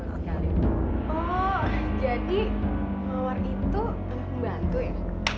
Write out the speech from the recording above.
oh jadi mawar itu anak pembantu ya